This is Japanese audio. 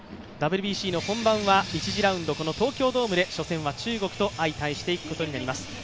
ＷＢＣの本番は１次ラウンド、この東京ドームで初戦は中国と相対していくことになります。